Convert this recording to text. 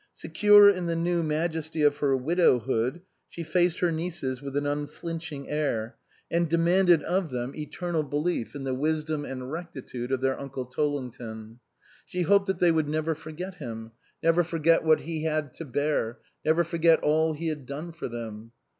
Secure in the new majesty of her widowhood, she faced her nieces with an unflinching air and demanded of them eternal 212 HOUSEHOLD GODS belief in the wisdom and rectitude of their uncle Tollington. She hoped that they would never forget him, never forget what he had to bear, never forget all he had done for them.